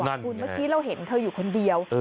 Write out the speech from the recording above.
คุณเมื่อกี้เราเห็นเธออยู่คนเดียว